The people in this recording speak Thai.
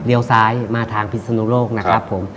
ซ้ายมาทางพิศนุโลกนะครับผม